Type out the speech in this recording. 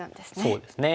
そうですね。